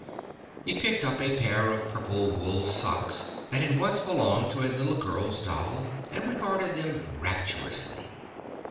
He picked up a pair of purple wool socks that had once belonged to a little girl's doll and regarded them rapturously.